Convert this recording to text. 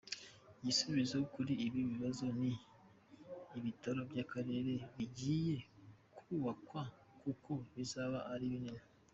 Igisubizo kuri ibi bibazo ni ibitaro by’ akarere bigiye kubakwa kuko bizaba ari binini.